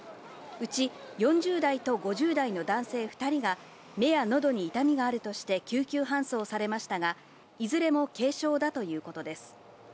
うち４０代と５０代の男性２人が、目やのどに痛みがあるとして救急搬送されましたが、いずれも軽傷だということです。